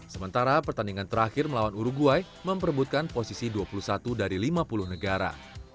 sementara pertandingan terakhir melawan uruguay memperbutkan posisi dua puluh satu dari lima puluh negara